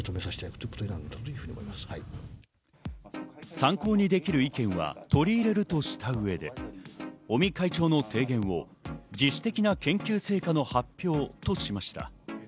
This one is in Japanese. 参考にできる意見は取り入れるとした上で、尾身会長の提言を自主的な研究成果の発表としました。